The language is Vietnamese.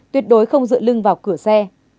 tuyệt đối không dựa lưng vào cửa xe